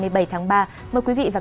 mời quý vị và các bạn cùng chú ý đón xem